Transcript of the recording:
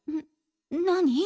何？